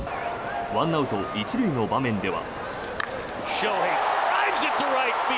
１アウト１塁の場面では。